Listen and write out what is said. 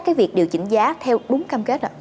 để giám sát việc điều chỉnh giá theo đúng cam kết ạ